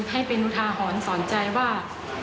ให้เป็นอุทาหรณ์สอนใจว่า